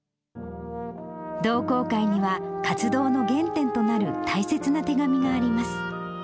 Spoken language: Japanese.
同好会には活動の原点となる大切な手紙があります。